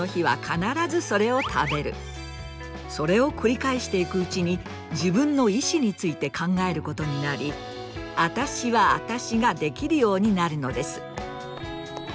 それを繰り返していくうちに自分の意思について考えることになり“あたしはあたし”ができるようになるのです。